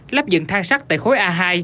lắp dựng thang sắt tại khối a hai